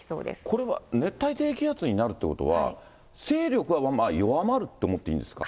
これは熱帯低気圧になるということは、勢力は弱まるって思っていいんですか。